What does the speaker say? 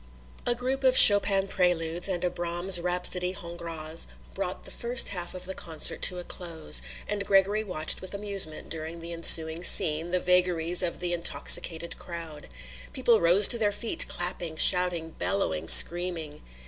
A group of Chopin Preludes and a Brahms Rhapsodie Hongroise brought the first half of the concert to a close, and Gregory watched with amusement, during the ensuing scene, the vagaries of the intoxicated crowd. People rose to their feet, clapping, shouting, bellowing, screaming.